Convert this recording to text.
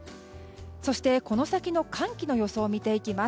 そして、この先の寒気の予想を見てきます。